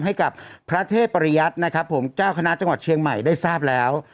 ให้กับพระเทพปริยัตินะครับผมเจ้าคณะจังหวัดเชียงใหม่ได้ทราบแล้ว